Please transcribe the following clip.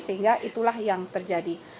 sehingga itulah yang terjadi